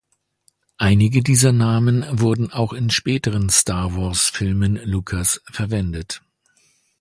Einige dieser Namen wurden auch in späteren "Star-Wars"-Filmen Lucas’ verwendet.